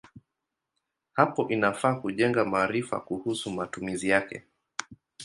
Hapo inafaa kujenga maarifa kuhusu matumizi yake.